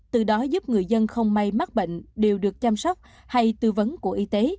từ đó giúp người dân không may mắc bệnh đều được chăm sóc hay tư vấn của y tế